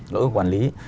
lỗi của quản lý